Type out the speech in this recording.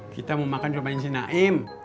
kita mau makan sopan si naim